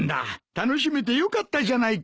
楽しめてよかったじゃないか。